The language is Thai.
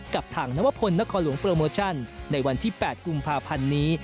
กับทางนวพลนครหลวงโปรโมชั่นในวันที่๘กุมภาพันธ์นี้